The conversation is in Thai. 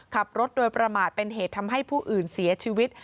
ขับรถโดยประมาทเป็นเหตุทำให้ผู้อื่นเสียชีวิต